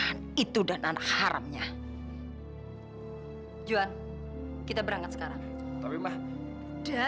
nanti kamu juga akan tahu